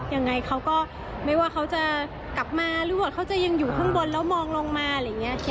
ยังไงเขาก็ไม่ว่าเขาจะกลับมาหรือว่าเขาจะยังอยู่ข้างบนแล้วมองลงมาอะไรอย่างนี้